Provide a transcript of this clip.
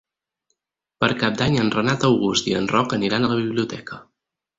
Per Cap d'Any en Renat August i en Roc aniran a la biblioteca.